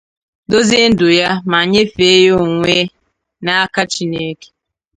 dozie ndụ ya ma nye fèé ya onwe n'aka Chineke